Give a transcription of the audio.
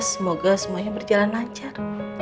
semoga semuanya berjalan lancar